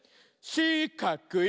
しかくい！